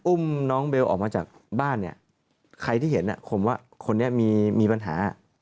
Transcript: อุ้มน้องเบลออกมาจากบ้านเนี่ยใครที่เห็นผมว่าคนนี้มีปัญหา